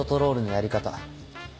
やり方？